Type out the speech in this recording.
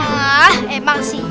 nah emang sih